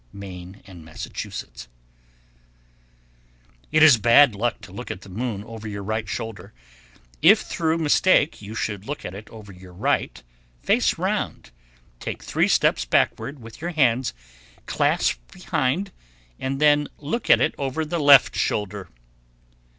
Maine and Massachusetts. 1096. It is bad luck to look at the moon over your right shoulder. If through mistake you should look at it over your right, face around, take three steps backward with your hands clasped behind, and then look at it over the left shoulder.